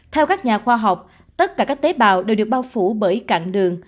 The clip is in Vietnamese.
theo các nhà khoa học tất cả các tế bào đều được bao phủ bởi cạn đường